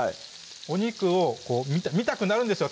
お肉を見たくなるんですよ